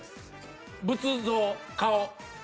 仏像顔。